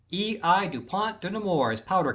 E. I. DU PONT DE NEMOURS POWDER CO.